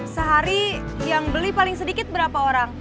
sehari yang beli paling sedikit berapa orang